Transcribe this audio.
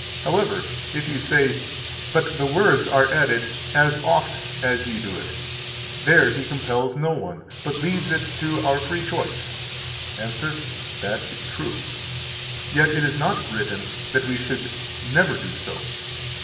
46 However, if you say: But the words are added, As oft as ye do it; there He compels no one, but leaves it to our free choice, answer: 47 That is true, yet it is not written that we should never do so.